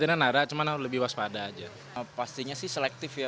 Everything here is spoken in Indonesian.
melewati karena ada seman lalu lebih waspada aja maka pastinya sih selektif ya